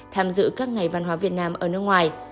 tham dự các ngày văn hóa việt nam ở nước ngoài